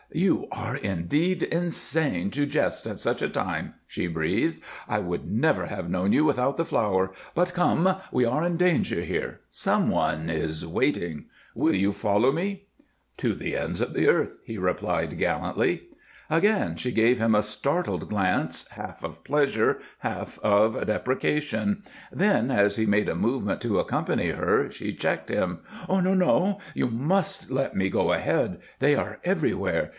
"You are indeed insane to jest at such a time," she breathed. "I would never have known you without the flower. But come we are in danger here. Some one is waiting. Will you follow me?" "To the ends of the earth," he replied, gallantly. Again she gave him a startled glance, half of pleasure, half of deprecation; then, as he made a movement to accompany her, she checked him. "No, no! You must let me go ahead. They are everywhere.